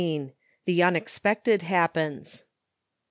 THE UNEXPECTED HAPPENS.